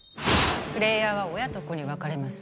プレーヤーは親と子に分かれます。